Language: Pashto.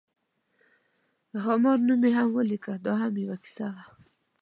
د خامار نوم مې هم ولیکه، دا هم یوه کیسه وه.